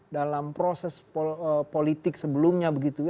dalam proses politik sebelumnya begitu ya